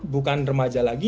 bukan remaja lagi